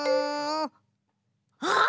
あっ！